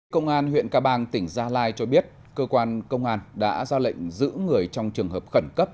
công an huyện ca bang tỉnh gia lai cho biết cơ quan công an đã ra lệnh giữ người trong trường hợp khẩn cấp